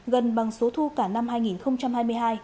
gần bằng số thu cả năm hai nghìn hai mươi hai